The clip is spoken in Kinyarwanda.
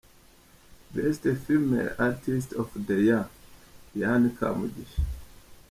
Best Female artist of the year: Diana Kamugisha.